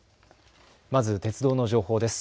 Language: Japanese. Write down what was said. まず鉄道の情報です。